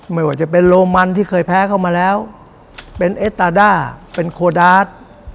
ไม่ว่าจะเป็นโรมันที่เคยแพ้เข้ามาแล้วเป็นเอสตาด้าเป็นโคดา